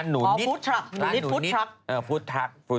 สนับสนุนโดยดีที่สุดคือการให้ไม่สิ้นสุด